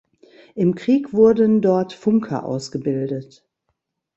Im Krieg wurden dort Funker ausgebildet.